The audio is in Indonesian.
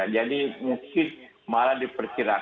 jadi mungkin malah diperkirakan